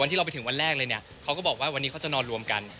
ที่เราไปถึงวันแรกเลยเนี่ยเขาก็บอกว่าวันนี้เขาจะนอนรวมกัน